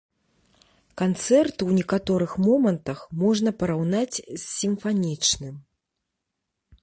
Канцэрт ў некаторых момантах можна параўнаць з сімфанічным.